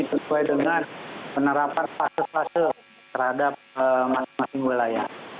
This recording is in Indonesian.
sesuai dengan penerapan fase fase terhadap masing masing wilayah